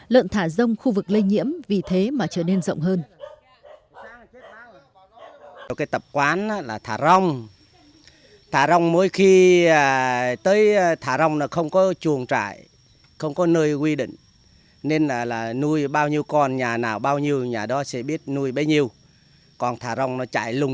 lợn thả rông khu vực lây nhiễm vì thế mà trở nên rộng hơn